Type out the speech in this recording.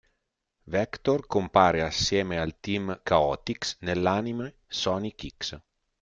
Vector compare assieme al Team Chaotix nell'anime "Sonic X".